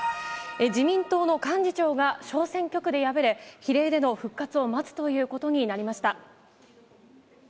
自民党の幹事長が小選挙区で敗れ、比例での復活を待つということになりました。